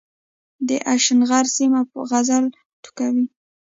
د اشنغر سيمه غزل ټوکوي